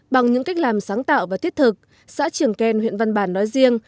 bằng những cách làm sáng tạo và thiết thực xã trường ken huyện văn bản nói riêng